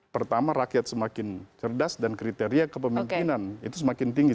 pertama rakyat semakin cerdas dan kriteria kepemimpinan itu semakin tinggi